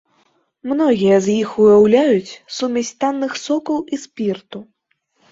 Многія з іх уяўляюць сумесь танных сокаў і спірту.